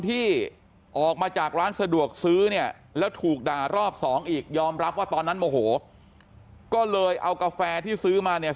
ที่ออกมาจากร้านสะดวกซื้อเนี่ยแล้วถูกด่ารอบสองอีกยอมรับว่าตอนนั้นโมโหก็เลยเอากาแฟที่ซื้อมาเนี่ย